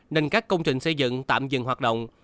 nên các công trình xây dựng tạm dừng hoạt động